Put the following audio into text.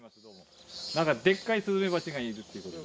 なんかでっかいスズメバチがいるっていうことで。